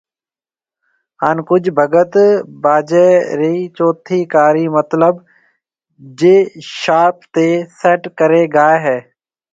ھان ڪجھ ڀگت باجي ري چوٿي ڪاري مطلب جِي شارپ تي سيٽ ڪري گاوي ھيَََ